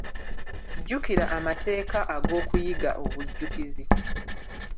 Jjukira amateeka ag'okuyiga obujjukizi.